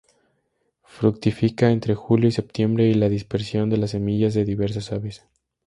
Fructifica entre julio y septiembre y la dispersión de las semillas de diversas aves.